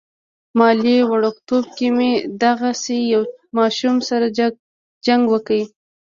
مالې وړوکتوب کې مې دغسې يو ماشوم سره جنګ وکه.